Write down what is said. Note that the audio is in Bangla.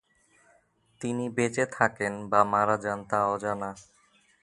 তিনি বেঁচে থাকেন বা মারা যান তা অজানা।